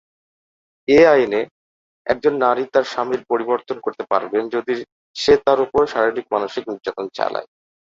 এ আইনে, একজন নারী তার স্বামী পরিবর্তন করতে পারবেন যদি সে তার ওপর শারীরিক-মানসিক নির্যাতন চালায়।